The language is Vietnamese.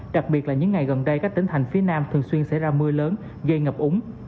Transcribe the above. đặc biệt là những ngày gần đây các tỉnh thành phía nam thường xuyên xảy ra mưa lớn gây ngập úng